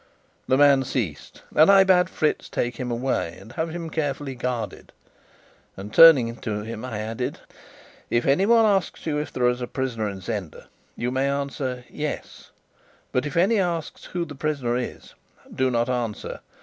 The man ceased, and I bade Fritz take him away and have him carefully guarded; and, turning to him, I added: "If anyone asks you if there is a prisoner in Zenda, you may answer 'Yes.' But if any asks who the prisoner is, do not answer.